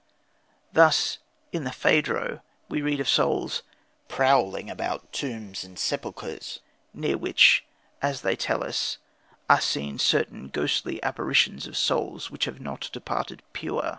Thus, in the Phædo we read of souls "prowling about tombs and sepulchres, near which, as they tell us, are seen certain ghostly apparitions of souls which have not departed pure